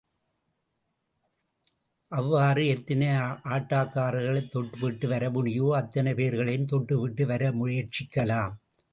அவ்வாறு எத்தனை ஆட்டக்காரர்களைத் தொட்டுவிட்டு வர முடியுமோ, அத்தனை பேர்களையும் தொட்டுவிட்டு வர முயற்சிக்கலாம்.